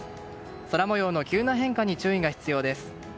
空模様の急な変化に注意が必要です。